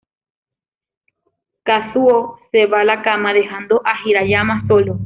Kazuo se va a la cama, dejando a Hirayama solo.